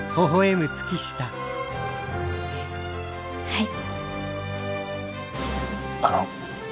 はい。